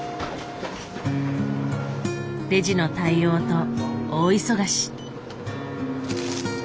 レジの対応と大忙し。